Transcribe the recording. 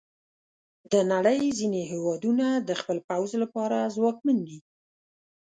د نړۍ ځینې هیوادونه د خپل پوځ لپاره ځواکمن دي.